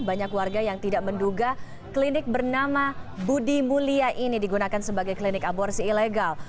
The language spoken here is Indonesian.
banyak warga yang tidak menduga klinik bernama budi mulia ini digunakan sebagai klinik aborsi ilegal